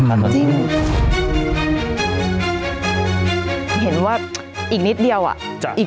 สวัสดีครับ